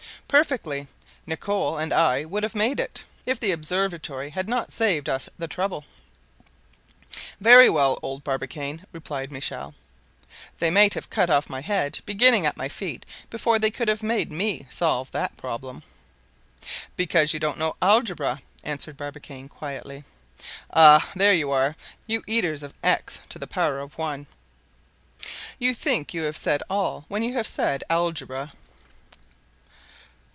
"Perfectly. Nicholl and I would have made it, if the observatory had not saved us the trouble." "Very well, old Barbicane," replied Michel; "they might have cut off my head, beginning at my feet, before they could have made me solve that problem." "Because you do not know algebra," answered Barbicane quietly. "Ah, there you are, you eaters of _x_1; you think you have said all when you have said 'Algebra.